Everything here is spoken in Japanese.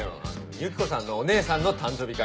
ユキコさんのお姉さんの誕生日会。